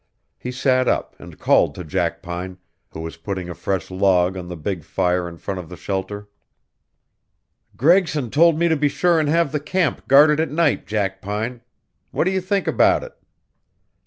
He sat up and called to Jackpine, who was putting a fresh log on the big fire in front of the shelter. "Gregson told me to be sure and have the camp guarded at night, Jackpine. What do you think about it?"